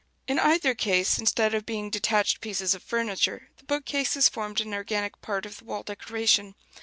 In either case, instead of being detached pieces of furniture, the bookcases formed an organic part of the wall decoration.